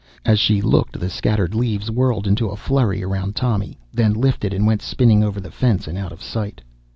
As she looked the scattered leaves whirled into a flurry around Tommy, then lifted and went spinning over the fence and out of sight.